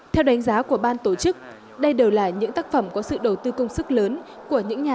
theo đánh giá của ban tổ chức đây đều là những tác phẩm có sự đầu tư công sức lớn của những nhà